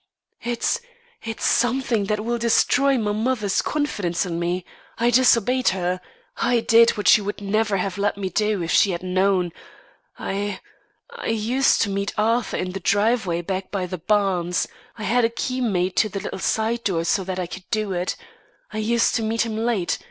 "It's it's something that will destroy my mother's confidence in me. I disobeyed her. I did what she would never have let me do if she had known. I I used to meet Arthur in the driveway back by the barns. I had a key made to the little side door so that I could do it. I used to meet him late.